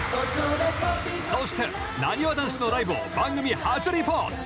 そしてなにわ男子のライブを番組初リポート！